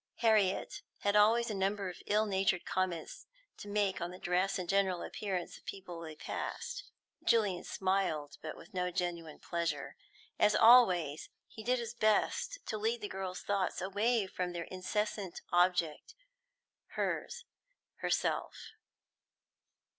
Harriet had always a number of ill natured comments to make on the dress and general appearance of people they passed. Julian smiled, but with no genuine pleasure. As always, he did his best to lead the girl's thoughts away from their incessant object, herself.